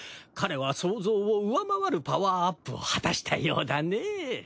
彼は想像を上回るパワーアップを果たしたようだね。